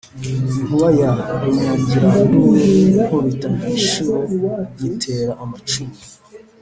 Inkuba ya Runyagiranduru nkubita inshuro nyitera amacumu.